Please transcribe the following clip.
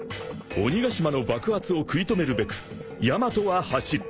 ［鬼ヶ島の爆発を食い止めるべくヤマトは走る］